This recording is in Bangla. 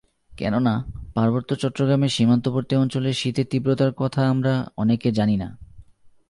কেননা, পার্বত্য চট্টগ্রামের সীমান্তবর্তী অঞ্চলের শীতের তীব্রতার কথা আমরা অনেকে জানি না।